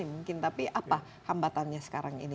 mungkin tapi apa hambatannya sekarang ini